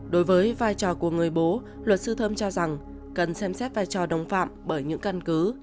đối với vai trò của người bố luật sư thơm cho rằng cần xem xét vai trò đồng phạm bởi những căn cứ